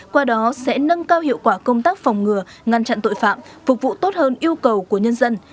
qua đó sẽ nâng cao hiệu quả công tác phòng ngừa ngăn chặn tội phạm phục vụ tốt hơn yêu cầu của nhân dân